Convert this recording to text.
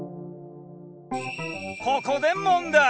ここで問題！